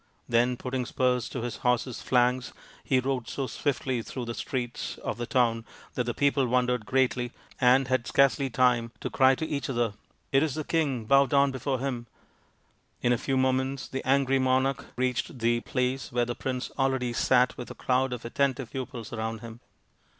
Then, putting spurs to his 196 THE INDIAN STORY BOOK horse's flanks, he rode so swiftly through the streets of the town that the people wondered greatly, and had scarcely time to cry to each other, "It is the king, bow down before him !" In a few moments the angry monarch reached the place where the prince already sat with a crowd of attentive pupils around him.